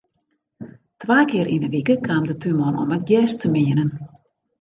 Twa kear yn 'e wike kaam de túnman om it gjers te meanen.